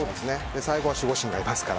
最後は守護神がいますから。